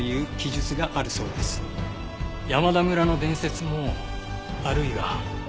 山田村の伝説もあるいは。